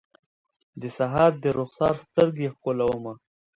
د سحر درخسار سترګې ښکلومه